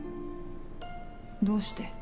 どうして？